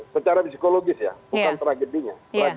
secara psikologis ya bukan tragedinya